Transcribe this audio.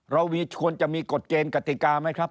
เราควรจะมีกฎเจนกฎิกาไหมครับ